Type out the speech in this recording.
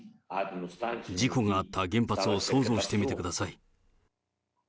事故があった原発を想像してみてください。